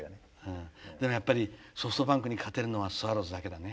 でもやっぱりソフトバンクに勝てるのはスワローズだけだね。